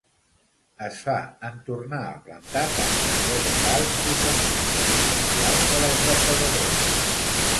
Es fa en tornar a plantar tanques vegetals i refugis artificials per als depredadors.